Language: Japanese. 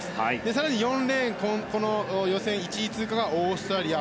更に４レーン予選１位通過がオーストラリア。